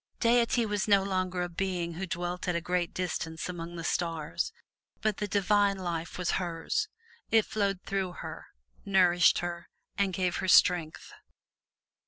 Deity was no longer a Being who dwelt at a great distance among the stars, but the Divine Life was hers. It flowed through her, nourished her and gave her strength.